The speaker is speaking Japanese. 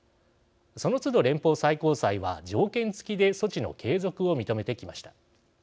そのつど連邦最高裁は条件つきで措置の継続を認めてきました。